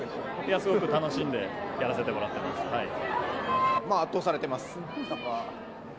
すごく楽しんでやらせてもらっています。